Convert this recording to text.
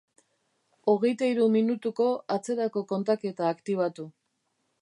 Hogeita hiru minutuko atzerako kontaketa aktibatu.